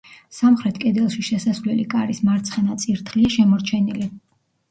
სამხრეთ კედელში შესასვლელი კარის მარცხენა წირთხლია შემორჩენილი.